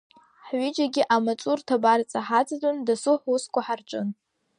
Ҳҩыџьегьы амаҵурҭа абарҵа ҳаҵатәаны досу ҳусқәа ҳарҿын.